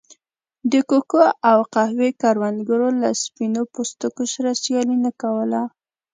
د کوکو او قهوې کروندګرو له سپین پوستو سره سیالي نه کوله.